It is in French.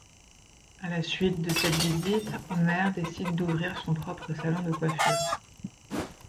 À la suite de cette visite, Homer décide d’ouvrir son propre salon de coiffure.